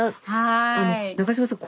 中島さん。